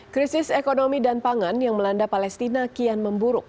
krisis ekonomi dan pangan yang melanda palestina kian memburuk